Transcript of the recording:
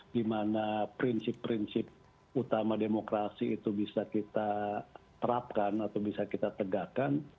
di mana prinsip prinsip utama demokrasi itu bisa kita terapkan atau bisa kita tegakkan